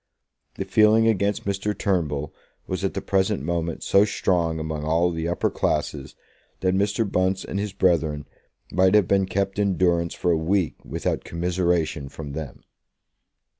The feeling against Mr. Turnbull was at the present moment so strong among all the upper classes, that Mr. Bunce and his brethren might have been kept in durance for a week without commiseration from them.